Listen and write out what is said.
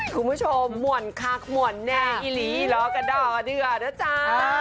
คุณผู้ชมหม่วนคักหม่วนแน่อีหลีล้อกระด่อเดือด้วยจ้า